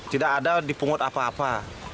tidak ada di pungut apa apa